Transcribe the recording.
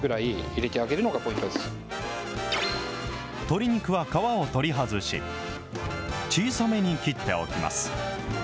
鶏肉は皮を取り外し、小さめに切っておきます。